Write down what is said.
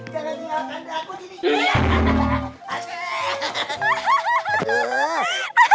jangan tinggalkan daku di sini